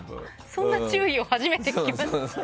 そんな注意を初めて聞きました。